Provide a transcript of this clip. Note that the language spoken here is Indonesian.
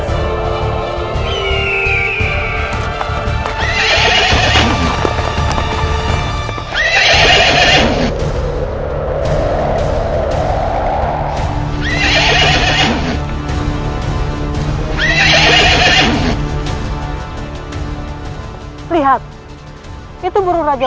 saya akan menjaga kebenaran raden